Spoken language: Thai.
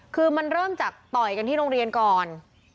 คือมันเริ่มจากต่อยกันที่โรงเรียนก่อน